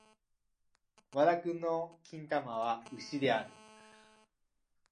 It can also be found on Twitter and Facebook.